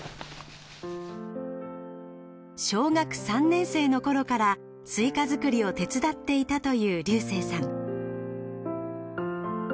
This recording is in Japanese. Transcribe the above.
小学３年生のころからスイカ作りを手伝っていたという龍聖さん。